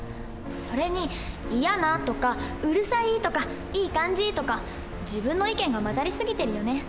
それに「イヤな」とか「うるさい」とか「いい感じ」とか自分の意見が交ざり過ぎてるよね。